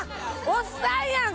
おっさんやん！